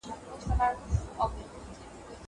زه به سبا چپنه پاکوم!